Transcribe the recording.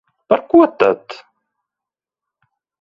Par ko tad?